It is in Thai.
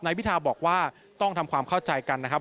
พิทาบอกว่าต้องทำความเข้าใจกันนะครับ